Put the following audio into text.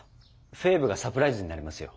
フェーブがサプライズになりますよ。